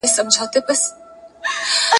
ننګیالی مست په نغمو سو د ترب